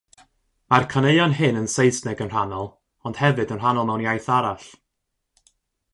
Mae'r caneuon hyn yn Saesneg yn rhannol, ond hefyd yn rhannol mewn iaith arall.